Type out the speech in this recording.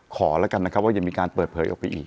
ขอแล้วกันนะครับว่ายังมีการเปิดเผยออกไปอีก